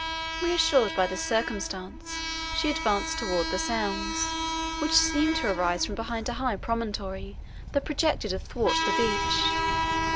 Reassured by this circumstance, she advanced towards the sounds, which seemed to arise from behind a high promontory, that projected athwart the beach.